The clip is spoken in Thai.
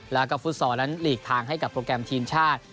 แล้วก็ฟุตซอลนั้นหลีกทางให้กับโปรแกรมทีมชาติ